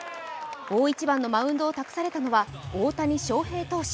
大一番のマウンドを託されたのは大谷翔平投手。